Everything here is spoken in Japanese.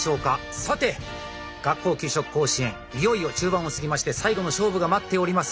さて「学校給食甲子園」いよいよ中盤を過ぎまして最後の勝負が待っております。